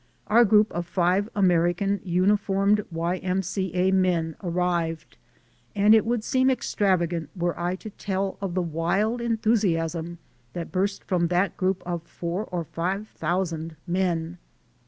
Our group of five American uniformed Y. M. C. A. men arrived, and it would seem extravagant were I to tell of the wild enthusiasm that burst from that group of four or five thousand men.